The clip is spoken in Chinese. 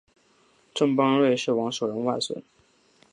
郑邦瑞是王守仁外甥。